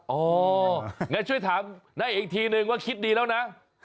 งั้นช่วยถามได้อีกทีนึงว่าคิดดีแล้วนะ